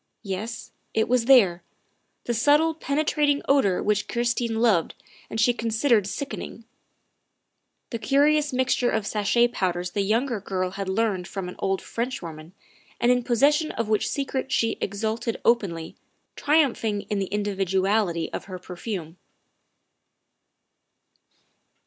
Yes, it was there. The subtle, penetrating odor which Christine loved and she considered sicken THE SECRETARY OF STATE 269 ing ; the curious mixture of sachet powders the younger girl had learned from an old Frenchwoman, and in the possession of which secret she exulted openly, triumph ing in the individuality of her perfume.